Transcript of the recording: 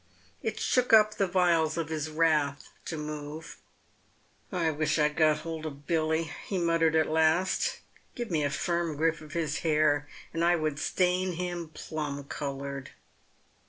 It shook up the vials of his wrath to move. " I wish I'd got hold of Billy," he muttered at last. " Give me a firm grip of his hair, and I would stain him plum coloured."